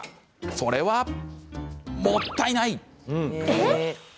それは、もったいない！